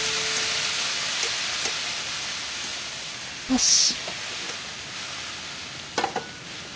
よし。